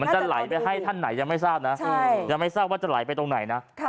จะไหลไปให้ท่านไหนยังไม่ทราบนะยังไม่ทราบว่าจะไหลไปตรงไหนนะ